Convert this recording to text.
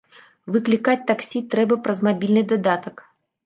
Выклікаць таксі трэба праз мабільны дадатак.